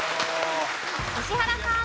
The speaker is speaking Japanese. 石原さん。